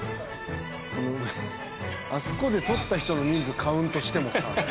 あそこで撮った人の人数カウントしてもさ。